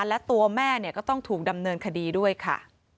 และตัวแม่ก็ต้องถูกดำเนินคดีด้วยค่ะ